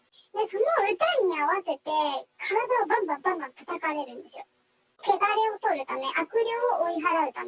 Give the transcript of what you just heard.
その歌に合わせて、体をばんばんばんばんたたかれるんですよ。